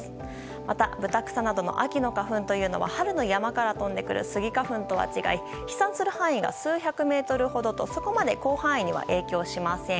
また、ブタクサなどの秋の花粉は春の山から飛んでくるスギ花粉とは違い飛散する範囲が数百メートルほどとそこまで広範囲には影響しません。